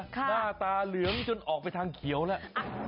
หน้าตาเหลืองจนออกไปทางเขียวแล้ว